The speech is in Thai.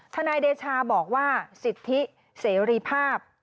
นายเดชาบอกว่าสิทธิเสรีภาพ